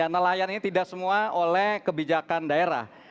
nelayan ini tidak semua oleh kebijakan daerah